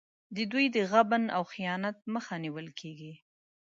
د دوی د غبن او خیانت مخه نیول کېږي.